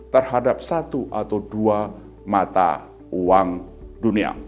terhadap satu atau dua mata uang dunia